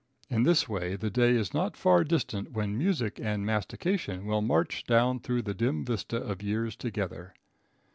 In this way the day is not far distant when music and mastication will march down through the dim vista of years together.